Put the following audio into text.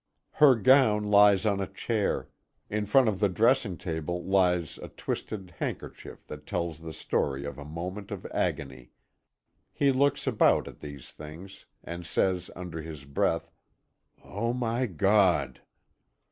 Her gown lies on a chair; in front of the dressing table lies a twisted handkerchief that tells the story of a moment of agony. He looks about at these things, and says under his breath: "Oh, my God!"